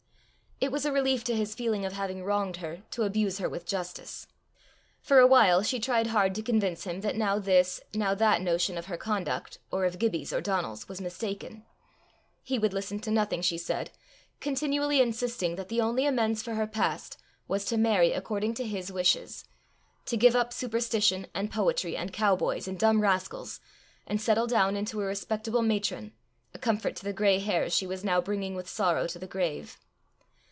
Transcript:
It was a relief to his feeling of having wronged her, to abuse her with justice. For a while she tried hard to convince him now that this, now that that notion of her conduct, or of Gibbie's or Donal's, was mistaken: he would listen to nothing she said, continually insisting that the only amends for her past was to marry according to his wishes; to give up superstition, and poetry, and cow boys, and dumb rascals, and settle down into a respectable matron, a comfort to the gray hairs she was now bringing with sorrow to the grave.